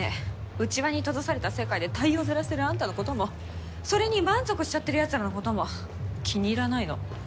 内輪に閉ざされた世界で太陽づらしてるあんたのこともそれに満足しちゃってるやつらのことも気に入らないの。